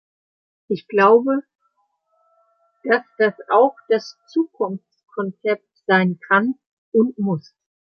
Ich glaube, dass das auch das Zukunftskonzept sein kann und muss.